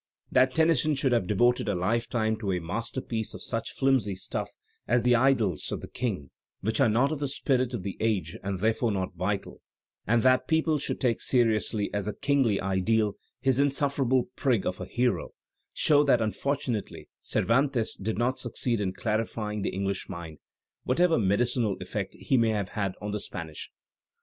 That Tennyson should have devoted a lifetime to a masterpiece of such flimsy stuff as the "Idyls of the King," which are not of the spirit of the age and therefore not vital, and that people should take seriously as a kingly ideal his insufferable prig of a hero, show that unfortimately Cervantes did not succeed in clarifying the English mind, whatever medicinal effect he may have had on the Spanish.